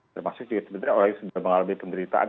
termasuk juga sebenarnya orang yang sudah mengalami penderitaan